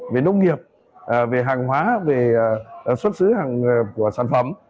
về nông nghiệp về hàng hóa về xuất xứ của sản phẩm